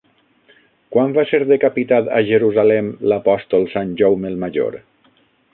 Quan va ser decapitat a Jerusalem l'apòstol Sant Jaume el Major?